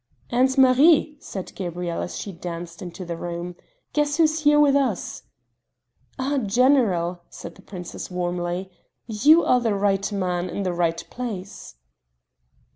"Aunt Marie," said Gabrielle as she danced into the room, "guess who is here with us!" "Ah, General!" said the princess warmly, "you are the right man in the right place."